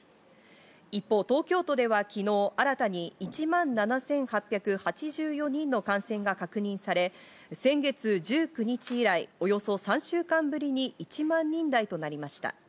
一方、東京都では昨日、新たに１万７８８４人の感染が確認され、先月１９日以来、およそ３週間ぶりに１万人台となりました。